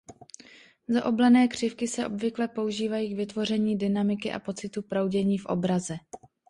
Zaoblené křivky se obvykle používají k vytvoření dynamiky a pocitu proudění v obraze.